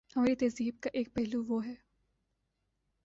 ہماری تہذیب کا ایک پہلو وہ ہے۔